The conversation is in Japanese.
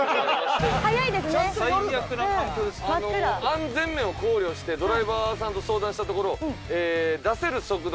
安全面を考慮してドライバーさんと相談したところ。